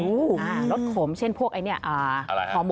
ก้อยคมได้ไหม